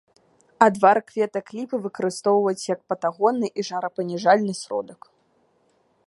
Адвар кветак ліпы выкарыстоўваюць як патагонны і жарапаніжальны сродак.